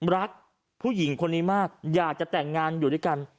รักผู้หญิงคนนี้มากอยากจะแต่งงานอยู่ด้วยกัน